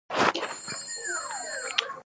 څنګه کولی شم د وائی فای سرعت ډېر کړم